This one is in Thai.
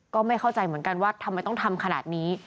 ก็ไม่เข้าใจเหมือนกันว่าทำไมต้องทำขนาดนี้